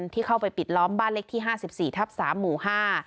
ที่เข้าไปปิดล้อมบ้านเล็กที่ห้าสิบสี่ทับสามหมู่ห้า